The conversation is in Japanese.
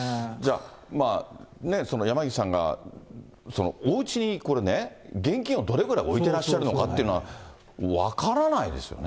まあね、山岸さんがおうちにこれね、現金をどれぐらい置いてらっしゃるのかっていうのは、分からないですよね。